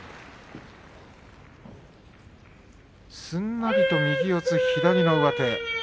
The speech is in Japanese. すんなりと右四つ、左の上手。